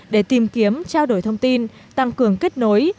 để tìm kiếm trao đổi thông tin tăng cường kết nối